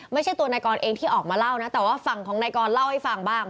ไม่ใช่ตัวนายกรเองที่ออกมาเล่านะแต่ว่าฝั่งของนายกรเล่าให้ฟังบ้าง